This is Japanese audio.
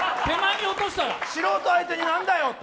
素人相手に何だよと。